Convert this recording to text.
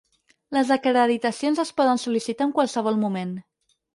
Les acreditacions es poden sol·licitar en qualsevol moment.